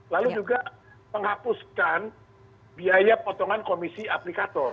lalu juga menghapuskan biaya potongan komisi aplikator